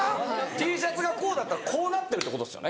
Ｔシャツがこうだったらこうなってるってことですよね。